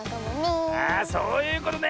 あそういうことね。